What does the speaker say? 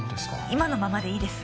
今のままでいいです。